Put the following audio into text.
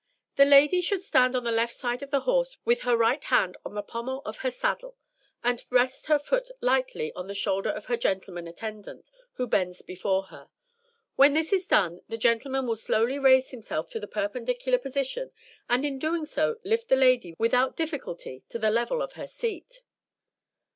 _ The lady should stand on the left side of the horse, with her right hand on the pommel of her saddle, and rest her left foot lightly on the shoulder of her gentleman attendant, who bends before her. When this is done, the gentleman will slowly raise himself to the perpendicular position, and in doing so lift the lady without difficulty to the level of her seat.'"